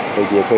thì nhiều khi